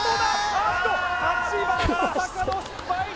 ああっと８番まさかの失敗！